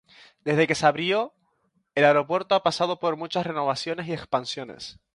Desde que se abrió, el aeropuerto ha pasado por muchas renovaciones y expansiones.